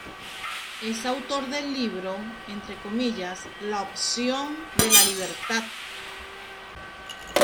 Es autor del libro "La opción de la libertad".